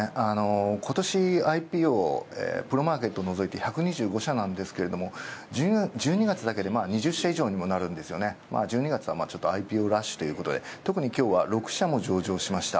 今年ＩＰＯプロマーケットをのぞいて１２５社なんですけど、１２月だけで２０社以上にもなる１２月はＩＰＯラッシュということで今日は６社も上場しました。